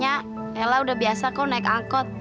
nya nya nela udah biasa kok naik angkut